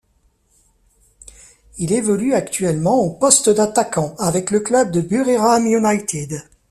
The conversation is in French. Il évolue actuellement au poste d'attaquant avec le club de Buriram United.